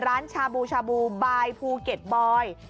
ร้านชาบูชาบูบายฟูเก็ตบอย